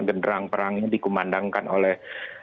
genderang perang ini dikumandangkan oleh